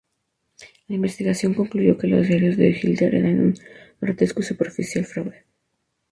La investigación concluyó que los "Diarios de Hitler" eran un grotesco y superficial fraude.